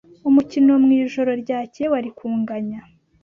Umukino mwijoro ryakeye wari kunganya.